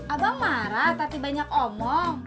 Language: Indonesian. abang marah tapi banyak omong